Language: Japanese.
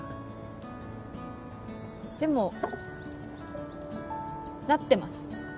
でもなってます。